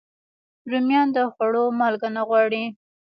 رومیان د خوړو مالګه نه غواړي